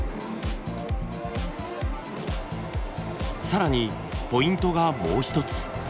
更にポイントがもう一つ。